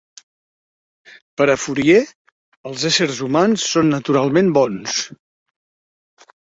Per a Fourier, els éssers humans són naturalment bons.